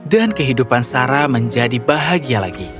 dan kehidupan sarah menjadi bahagia lagi